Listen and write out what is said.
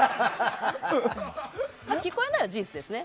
聞こえないのは事実ですね。